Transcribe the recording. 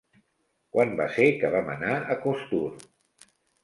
Quan va ser que vam anar a Costur?